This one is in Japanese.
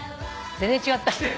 全然違った。